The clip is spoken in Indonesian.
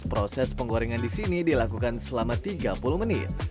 proses penggorengan di sini dilakukan selama tiga puluh menit